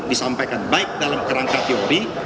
disampaikan baik dalam kerangka teori